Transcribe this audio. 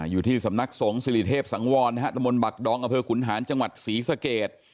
อยู่ที่สำนักสงฆ์สิริเทพสังวรตะมนต์บักดองอำเภอขุนหานจังหวัดศรีสเกต